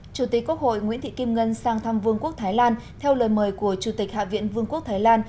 chủ tịch quốc hội nguyễn thị kim ngân sang thăm vương quốc thái lan theo lời mời của chủ tịch hạ viện vương quốc thái lan